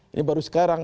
ini baru sekarang